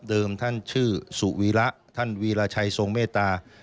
ท่านชื่อสุวีระท่านวีรชัยทรงเมตตา